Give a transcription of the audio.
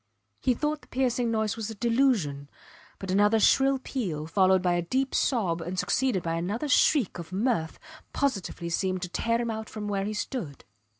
He thought the piercing noise was a delusion. But another shrill peal followed by a deep sob and succeeded by another shriek of mirth positively seemed to tear him out from where he stood.